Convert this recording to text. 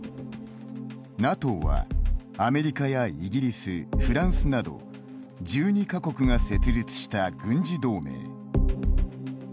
ＮＡＴＯは、アメリカやイギリスフランスなど１２か国が設立した軍事同盟。